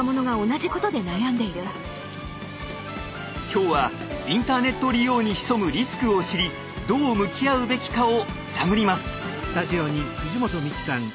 今日はインターネット利用に潜むリスクを知りどう向き合うべきかを探ります。